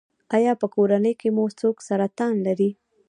ایا په کورنۍ کې مو څوک سرطان لري؟